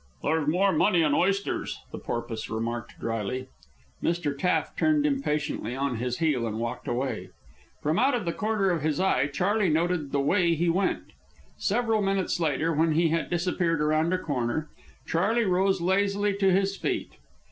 "There's more money in oysters," the Porpoise remarked dryly. Mr. Taft turned impatiently on his heel and walked away. From out of the corner of his eye, Charley noted the way he went. Several minutes later, when he had disappeared around a corner, Charley rose lazily to his feet.